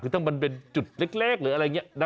คือถ้ามันเป็นจุดเล็กหรืออะไรอย่างนี้นะ